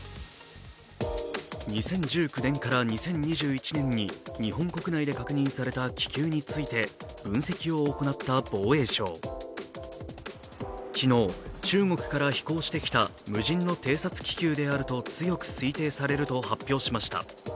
２０１９年から２０２１年に日本国内で確認された気球について、分析を行った防衛省昨日、中国から飛行してきた無人の偵察気球であると強く推定されると発表しました。